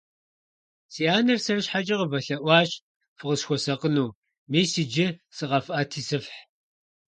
Си анэр сэр щхьэкӀэ къывэлъэӀуащ, фыкъысхуэсакъыну. Мис иджы сыкъэфӀэти сыфхь.